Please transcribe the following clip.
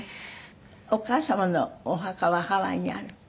お母様のお墓はハワイにある？